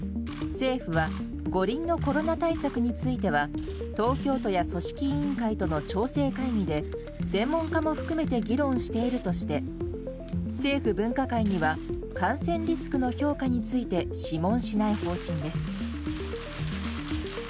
政府は五輪のコロナ対策については東京都や組織委員会との調整会議で専門家も含めて議論しているとして政府分科会には感染リスクの評価について諮問しない方針です。